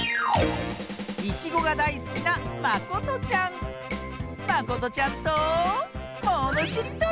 いちごがだいすきなまことちゃんとものしりとり！